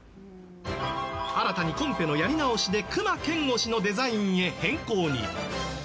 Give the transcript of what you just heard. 新たにコンペのやり直しで隈研吾氏のデザインへ変更に。